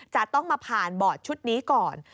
จะต้องมาผ่านบอร์ดชุดนี้ก่อน